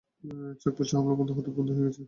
চেকপোস্টে হামলা হঠাৎ বন্ধ হয়ে গেছে।